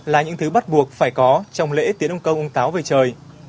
là những thứ bắt buộc phải có trong lễ tiễn ông công ông táo về trời